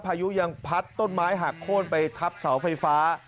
พายุยังพัดต้นไม้หักโค้นไปทับเสาไฟฟ้า